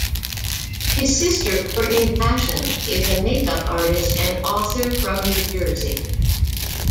His sister Courtney Rashon is a makeup artist and author from New Jersey.